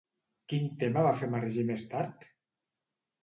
Quin tema va fer emergir més tard?